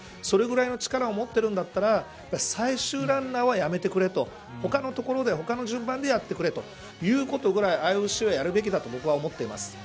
それぐらいの力を持っているんだったら最終ランナーは、やめてくれと他のところで他の順番でやってくれということぐらいＩＯＣはやるべきだと僕は思っています。